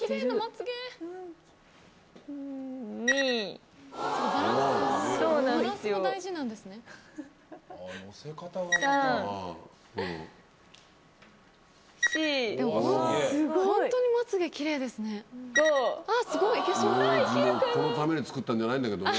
爪楊枝もこのために作ったんじゃないんだけどね。